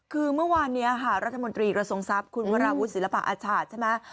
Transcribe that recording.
คือเมื่อวานนี้ค่ะรัฐมนตรีกระทรงทรัพย์คุณวราวุฒิศิลปะอาชาตใช่ไหม